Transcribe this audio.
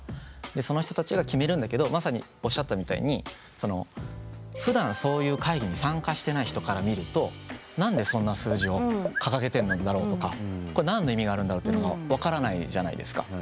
でその人たちが決めるんだけどまさにおっしゃったみたいにそのふだんそういう会議に参加してない人から見ると何でそんな数字を掲げてんのだろうとかこれ何の意味があるんだろうっていうのが分からないじゃないですか。